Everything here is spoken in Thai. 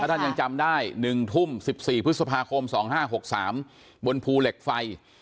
ท่านยังจำได้๑ทุ่ม๑๔พฤษภาคม๒๕๖๓บนภูเหล็กไฟ